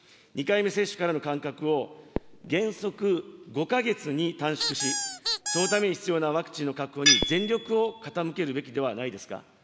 ２回目接種からの間隔を、原則５か月に短縮し、そのために必要なワクチンの確保に全力を傾けるべきではないですか。